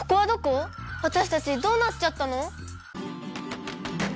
わたしたちどうなっちゃったの！？